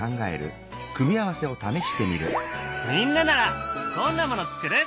みんなならどんなもの作る？